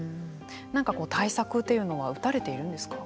なんか対策というのは打たれているんですか。